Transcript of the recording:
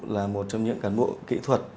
là một trong những cán bộ kỹ thuật